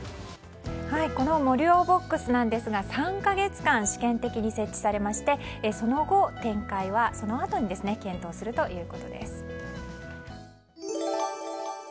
この無料ボックスなんですが３か月間試験的に設置されましてその後、展開はそのあとに検討するということです。